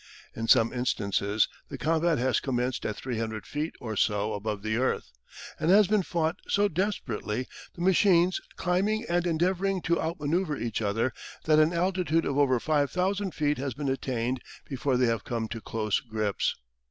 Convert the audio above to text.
In some instances the combat has commenced at 300 feet or so above the earth, and has been fought so desperately, the machines climbing and endeavouring to outmanoeuvre each other, that an altitude of over 5,000 feet has been attained before they have come to close grips.